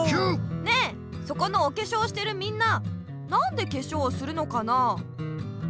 ねえそこのおけしょうしてるみんななんでけしょうをするのかな？